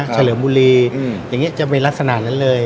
จริงจะมีลักษณะนั้นเลย